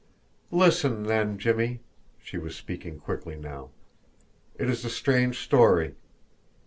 "Listen, then, Jimmie!" She was speaking quickly now. "It is a strange story.